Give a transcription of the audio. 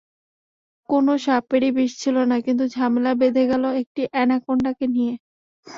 কোনো সাপেরই বিষ ছিল না, কিন্তু ঝামেলা বেধে গেল একটি অ্যানাকোন্ডাকে নিয়ে।